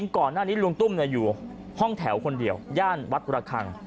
ก่อนหน้านี้ลุงตุ้มอยู่ห้องแถวคนเดียวย่านวัดระคัง